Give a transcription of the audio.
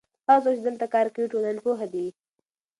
هغه څوک چې دلته کار کوي ټولنپوه دی.